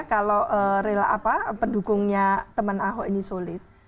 kalau rela pendukungnya teman ahok ini sulit